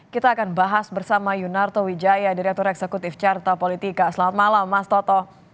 kita akan bahas bersama yunarto wijaya direktur eksekutif carta politika selamat malam mas toto